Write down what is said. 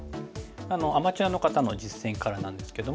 アマチュアの方の実戦からなんですけども。